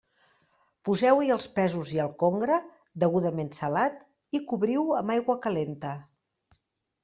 Poseu-hi els pèsols i el congre, degudament salat, i cobriu-ho amb aigua calenta.